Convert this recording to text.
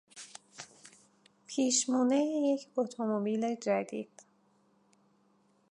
پیشمونهی یک اتومبیل جدید